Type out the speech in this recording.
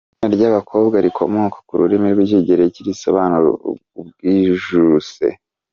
Ni izina ry’abakobwa rikomoka ku rurimi rw’ikigereki risobanura “Uwijuse”.